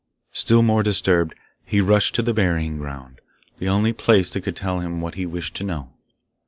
Still more disturbed, he rushed to the burying ground, the only place that could tell him what he wished to know.